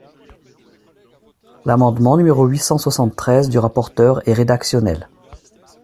L’amendement numéro huit cent soixante-treize du rapporteur est rédactionnel.